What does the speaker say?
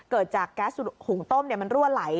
เกิดจากแก๊สหุงต้มมันรั่วไหล